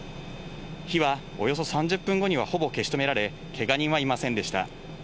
火はおよそ３０分後にはほぼ消し止められ、けが人はいませんでした。